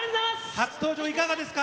初登場いかがですか？